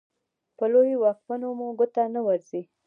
په لویو واکمنو مو ګوته نه ورځي.